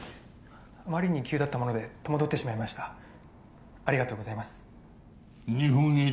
あまりに急だったもので戸惑ってしまいましたありがとうございます日本医療